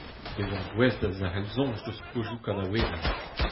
Bezañ gouest da zerc'hel soñj eus pozioù kanaouennoù.